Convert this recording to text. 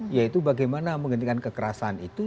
yaitu bagaimana menghentikan kekerasan itu